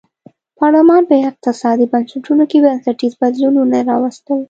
پارلمان په اقتصادي بنسټونو کې بنسټیز بدلونونه راوستل.